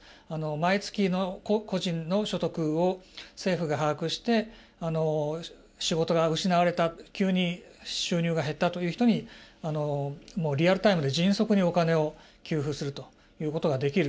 毎月の個人の所得を政府が把握して仕事が失われた急に収入が減ったという人にリアルタイムで迅速にお金を給付するということができる。